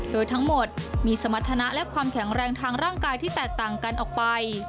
โดยทั้งหมดมีสมรรถนะและความแข็งแรงทางร่างกายที่แตกต่างกันออกไป